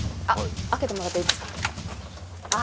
開けてもらっていいですか。